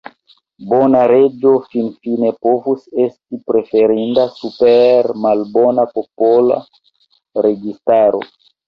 Bona reĝo finfine povus esti preferinda super malbona popola registaro.